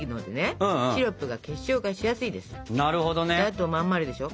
あとまん丸でしょ？